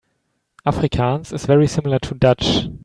Afrikaans is very similar to Dutch.